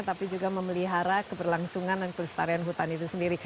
tapi juga memelihara keberlangsungan dan kelestarian hutan itu sendiri